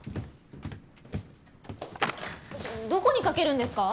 どこにかけるんですか？